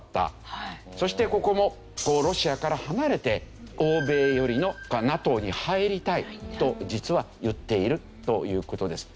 そしてここもロシアから離れて欧米寄りのＮＡＴＯに入りたいと実は言っているという事です。